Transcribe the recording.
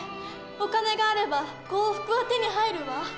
お金があれば幸福は手に入るわ。